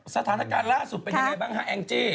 สถานการณ์ล่าสุดเป็นยังไงบ้างฮะแองจี้